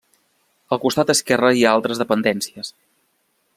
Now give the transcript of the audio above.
Al costat esquerre hi ha altres dependències.